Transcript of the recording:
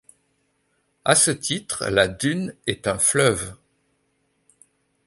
À ce titre, la Dunn est un fleuve.